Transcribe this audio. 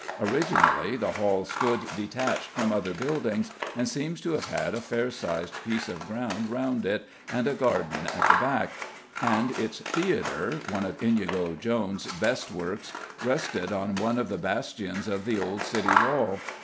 Originally, the hall stood detached from other buildings, and seems to have had a fair sized piece of ground round it, and a garden at the back; and its theatre, one of Inigo Jones's best works, rested on one of the bastions of the old city wall.